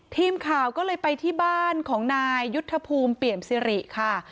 ทีมข่าวก็เลยไปที่บ้านของนายยุทธภูมิเปี่ยมซิริค่ะ